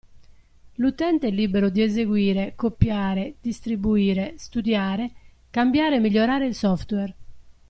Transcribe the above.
L'utente è libero di eseguire, copiare, distribuire, studiare, cambiare e migliorare il software.